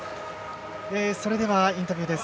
それでは、インタビューです。